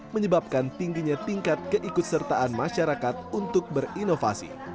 menyebabkan tingginya tingkat keikutsertaan masyarakat untuk berinovasi